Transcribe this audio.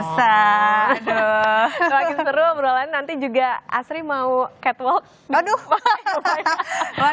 semakin seru menurut saya nanti juga asri mau catwalk di dubai